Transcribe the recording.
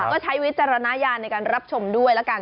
ก็ใช้วิจารณญาณในการรับชมด้วยแล้วกัน